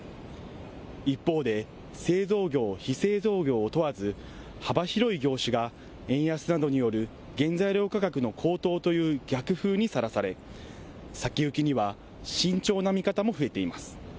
一方で、製造業、非製造業を問わず、幅広い業種が円安などによる原材料価格の高騰という逆風にさらされ、先行きには慎重な見方も増えています。